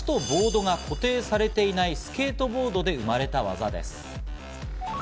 もともとは足とボードが固定されていないスケートボードで生まれた技です。